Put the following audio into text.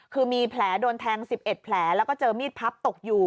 คือมีแผลโดนแทง๑๑แผลแล้วก็เจอมีดพับตกอยู่